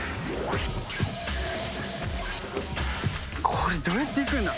これどうやって行くんだ？